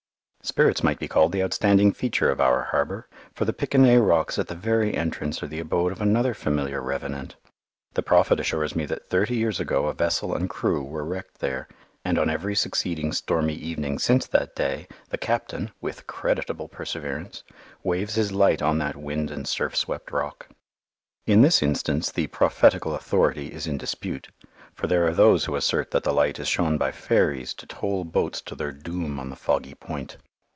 Spirits might be called the outstanding feature of our harbour, for the Piquenais rocks at the very entrance are the abode of another familiar revenant. The Prophet assures me that thirty years ago a vessel and crew were wrecked there, and on every succeeding stormy evening since that day, the captain, with creditable perseverance, waves his light on that wind and surf swept rock. In this instance the prophetical authority is in dispute, for there are those who assert that the light is shown by fairies to toll boats to their doom on the foggy point.